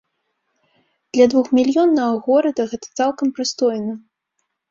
Для двухмільённага горада гэта цалкам прыстойна.